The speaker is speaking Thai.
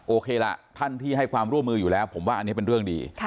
โอเคล่ะท่านที่ให้ความร่วมมืออยู่แล้วผมว่าอันนี้เป็นเรื่องดี